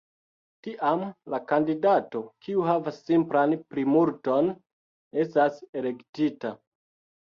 Tiam, la kandidato kiu havas simplan plimulton estas elektita.